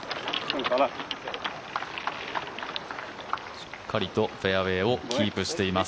しっかりとフェアウェーをキープしています。